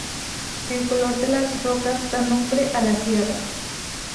El color de las rocas da nombre a la sierra.